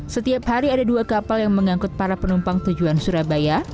setiap hari ada dua kapal yang mengangkut para penumpang tujuan surabaya